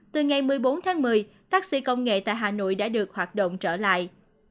từ ngày một mươi bốn tháng một mươi taxi công nghệ tại hà nội đã được hoạt động trở lại